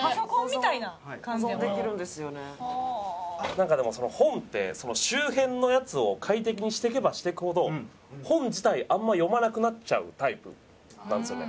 なんかでも本って周辺のやつを快適にしていけばしていくほど本自体あんま読まなくなっちゃうタイプなんですよね。